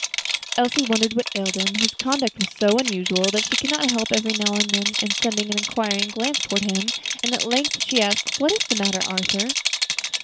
Elsie wondered what ailed him, his conduct was so unusual, and she could not help every now and then sending an inquiring glance toward him, and at length she asked, "What is the matter, Arthur?"